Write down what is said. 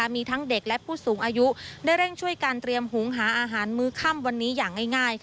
มีทั้งเด็กและผู้สูงอายุได้เร่งช่วยการเตรียมหุงหาอาหารมื้อค่ำวันนี้อย่างง่าย